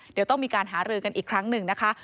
เดี๋ยวต้องมีการหารือกันอีกครั้งหนึ่งนะคะ